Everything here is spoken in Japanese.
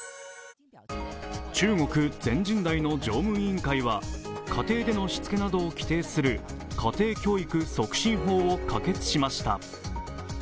中国全人代の常務委員会は、家庭でのしつけなどを規定する家庭教育促進法を可決しました。